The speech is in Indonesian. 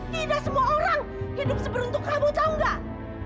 tidak semua orang hidup seberuntung kamu tahu enggak